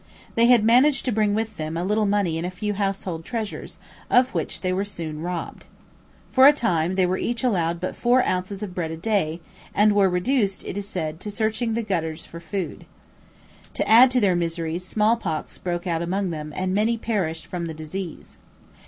They had managed to bring with them a little money and a few household treasures, of which they were soon robbed. For a time they were each allowed but four ounces of bread a day, and were reduced, it is said, to searching the gutters for food. To add to their miseries smallpox broke out among them and many perished from the disease.